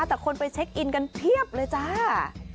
แต่คนไปเช็คอินกันเพียบเลยจ้า